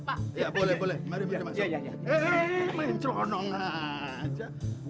hei mencronong aja